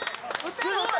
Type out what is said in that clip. すごい。